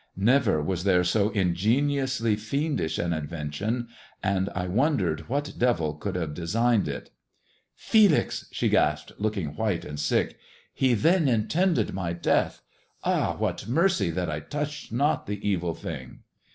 Never was there so ingeniously fiendish an invention, and I wondered what devil could have designed it. " Felix !" she gasped, looking white and sick : "he then intended my death. Ah, what mercy that I touched not the evil thing